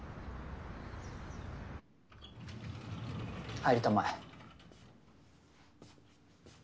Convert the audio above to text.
入りたまえ。